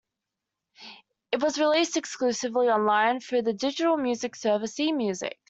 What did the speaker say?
It was released exclusively online through the digital music service eMusic.